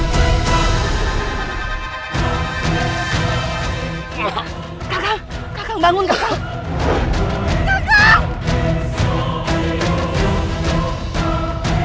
kau bangun kakak